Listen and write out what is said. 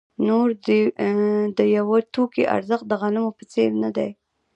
نور د یوه توکي ارزښت د غنمو په څېر نه دی